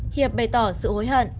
hiệp bày tỏ sự hối hận